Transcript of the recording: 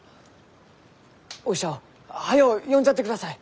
お医者を早う呼んじゃってください！